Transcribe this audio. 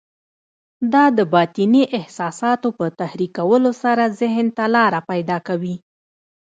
دا د باطني احساساتو په تحريکولو سره ذهن ته لاره پيدا کوي.